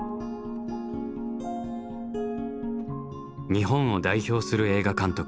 日本を代表する映画監督